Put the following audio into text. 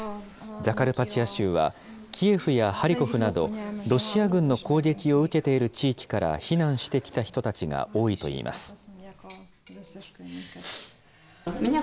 ザカルパチア州はキエフやハリコフなどロシア軍の攻撃を受けている地域から避難してきた人たちが多いといいます。